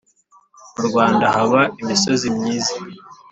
mu Rwanda haba imisozi myiza